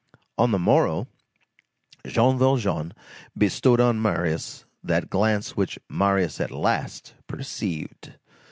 On the morrow Jean Valjean bestowed on Marius that glance which Marius at last perceived.